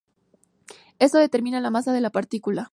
Esto determina la masa de la partícula.